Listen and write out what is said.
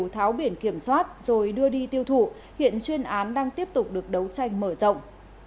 tháo biển kiểm soát rồi đưa đi tiêu thụ hiện chuyên án đang tiếp tục được đấu tranh mở rộng